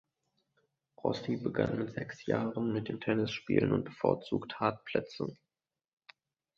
Rossi begann mit sechs Jahren mit dem Tennisspielen und bevorzugt Hartplätze.